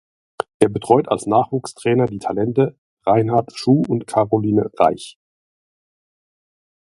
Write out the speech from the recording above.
Er betreut als Nachwuchstrainer die Talente Reinhard Schuh und Karoline Reich.